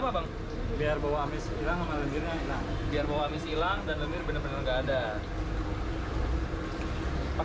ntar takutnya nyampe ke warung sebelah mas